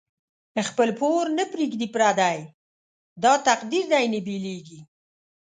خپل پور نه پریږدی پردی، داتقدیر دی نه بیلیږی